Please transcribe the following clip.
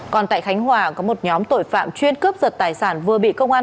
còn tại khánh hòa có một nhóm tội phạm chuyên cướp giật tài sản vừa bị công an